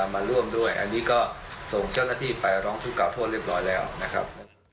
มาร่วมด้วยอันนี้ก็ส่งเจ้าหน้าที่ไปร้องทุกข่าโทษเรียบร้อยแล้วนะครับ